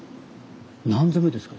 何座目ですか？